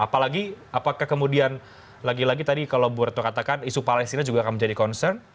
apalagi apakah kemudian lagi lagi tadi kalau bu retno katakan isu palestina juga akan menjadi concern